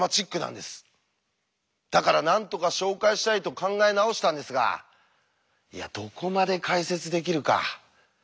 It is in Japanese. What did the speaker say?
だからなんとか紹介したいと考え直したんですがいやどこまで解説できるか。